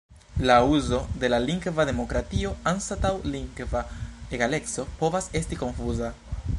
La uzo de "lingva demokratio" anstataŭ "lingva egaleco" povas esti konfuza.